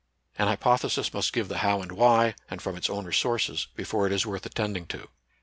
An hypothesis must give the how and why, and from its own resources, before it is worth attending to.